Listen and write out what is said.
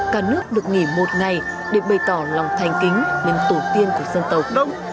cả nước được nghỉ một ngày để bày tỏ lòng thành kính lên tổ tiên của dân tộc